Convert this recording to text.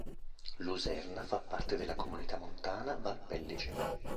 Luserna fa parte della Comunità Montana Val Pellice.